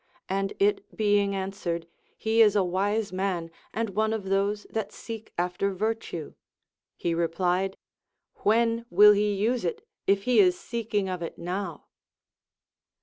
And it being answered, He is a wise man, and one of those that seek after virtue ; he replied, When will he use it, if he is seeking of it now